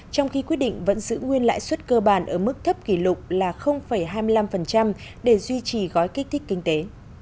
trong khi quyết định vẫn giữ nguyên lãi suất cơ bản ở mức thấp kỷ lục là hai mươi năm để duy trì gói kích thích kinh tế